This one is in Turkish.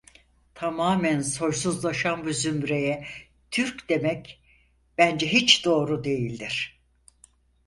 Tamamen soysuzlaşan bu zümreye Türk demek bence hiç doğru değildir.